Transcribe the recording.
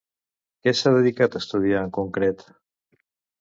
Què s'ha dedicat a estudiar en concret?